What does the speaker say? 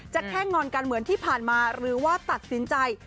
แค่งอนกันเหมือนที่ผ่านมาหรือว่าตัดสินใจ